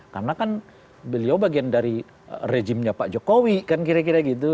karena kan beliau bagian dari rejimnya pak jokowi kan kira kira gitu